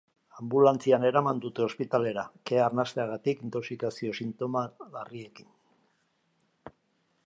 Anbulantzian eraman dute ospitalera, kea arnasteagatik intoxikazio sintoma larriekin.